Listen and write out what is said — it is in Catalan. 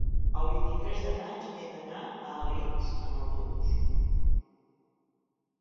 el vint-i-tres de maig he d'anar a Alins amb autobús.